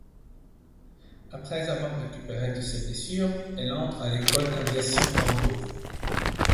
Après avoir récupéré de ses blessures, elle entre à l'école d'aviation Tambov.